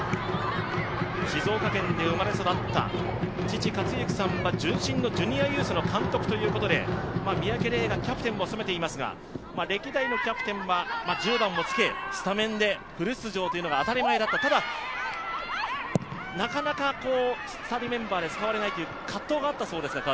静岡県で生まれ育った父は順心のジュニアユースの監督ということで、三宅怜がキャプテンを務めていますが、歴代のキャプテンは１０番をつけ、スタメンでフル出場というのが当たり前だった、ただ、なかなかスターティングメンバーで使われないという葛藤があったそうですが。